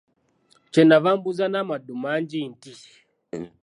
Kye nava mbuuza n'amaddu mangi nti,